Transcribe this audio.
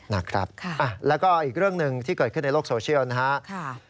นะครับแล้วก็อีกเรื่องหนึ่งที่เกิดขึ้นในโลกโซเชียลนะครับ